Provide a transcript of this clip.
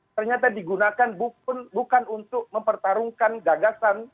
ternyata digunakan bukan untuk mempertarungkan gagasan